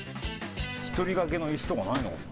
一人がけの椅子とかないのかな？